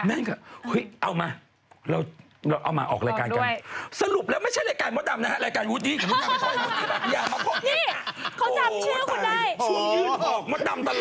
นี่เขาให้สัมภาษณ์เป็นชื่อพี่อย่างนั้นตรงประมาณนะ